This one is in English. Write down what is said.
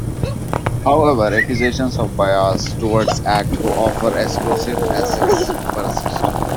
However, accusations of bias towards acts who offer exclusive access persist.